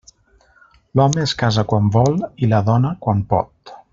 L'home es casa quan vol, i la dona quan pot.